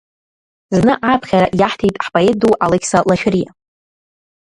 Зны ааԥхьара иаҳҭеит ҳпоет ду Алықьса Лашәриа.